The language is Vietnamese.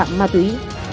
về cặp ma túy